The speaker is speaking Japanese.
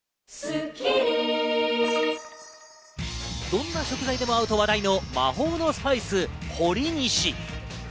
どんな食材でも合うと話題の魔法のスパイス・ほりにし。